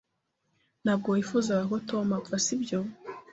Ntabwo wifuzaga ko Tom apfa, sibyo?